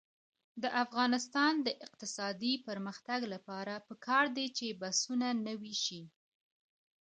د افغانستان د اقتصادي پرمختګ لپاره پکار ده چې بسونه نوي شي.